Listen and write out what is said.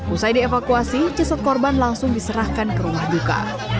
usai dievakuasi jasad korban langsung diserahkan ke rumah duka